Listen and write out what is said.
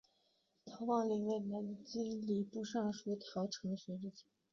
陶望龄为南京礼部尚书陶承学之子。